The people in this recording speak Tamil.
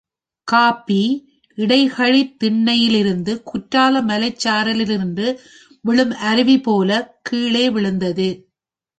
காபி, இடைகழித் திண்ணை யிலிருந்து குற்றால மலைச்சாரலிலின்று விழும் அருவி போலக் கீழே விழுந்தது.